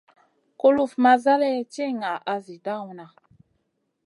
Kulufn ma zaleyn ti ŋaʼa zi dawna.